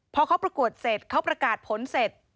พอเขาประกวดเสร็จเขาประกาศผลเสร็จ